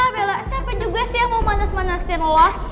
bella siapa juga sih yang mau manas manasin lo